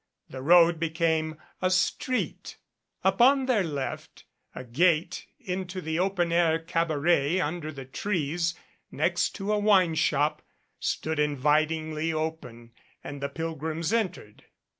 The road became a street. Upon their left a gate into an open air cabaret under the trees next to a wine shop stood invitingly open, and the 116 THE FAIRY GODMOTHER pilgrims entered.